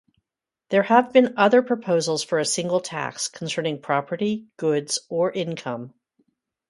There have been other proposals for a single tax concerning property, goods, or income.